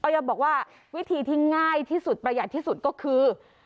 บอกว่าวิธีที่ง่ายที่สุดประหยัดที่สุดก็คือ